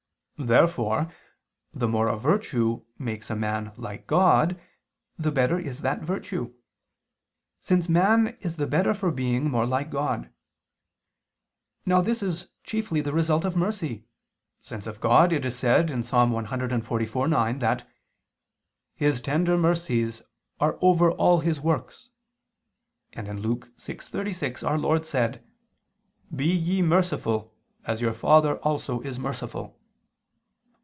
Therefore the more a virtue makes a man like God, the better is that virtue: since man is the better for being more like God. Now this is chiefly the result of mercy, since of God is it said (Ps. 144:9) that "His tender mercies are over all His works," and (Luke 6:36) Our Lord said: "Be ye ... merciful, as your Father also is merciful."